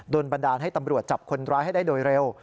บันดาลให้ตำรวจจับคนร้ายให้ได้โดยเร็ว